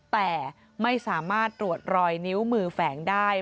แต่ไม่สามารถตรวจรอยนิ้วมือแฝงได้